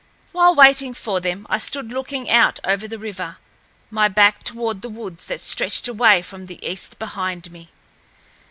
While waiting for them, I stood looking out over the river, my back toward the woods that stretched away to the east behind me.